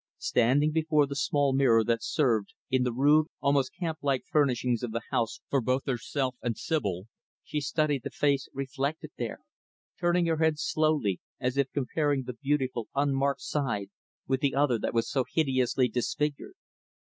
Standing before the small mirror that served in the rude, almost camp like furnishings of the house for both herself and Sibyl, she studied the face reflected there turning her head slowly, as if comparing the beautiful unmarked side with the other that was so hideously disfigured.